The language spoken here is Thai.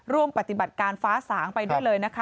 ร่วมปฏิบัติการฟ้าสางไปได้เลยนะคะ